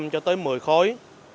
bốn năm cho tới một mươi khối